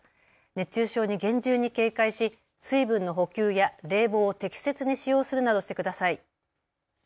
熱中症に厳重に警戒し水分の補給や冷房を適切に使用するなどしてください。